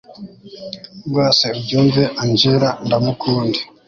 rwose ubyumve angella ndamukunda